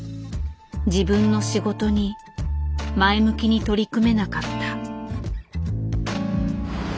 自分の仕事に前向きに取り組めなかった。